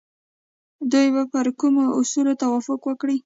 دوی به پر کومو اصولو توافق وکړي؟